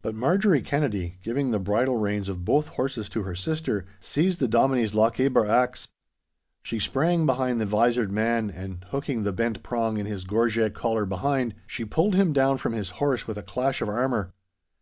But Marjorie Kennedy, giving the bridle reins of both horses to her sister, seized the Dominie's Lochaber axe. She sprang behind the visored man, and, hooking the bent prong in his gorget collar behind, she pulled him down from his horse with a clash of armour.